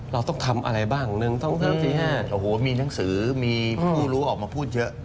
เราต้องทำอะไรบ้างหนึ่งต้องทำสิ่งแห้งโอ้โหมีหนังสือมีผู้รู้ออกมาพูดเยอะ